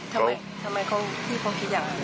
ทำไมทำไมเขาที่เขาคิดอย่างนั้น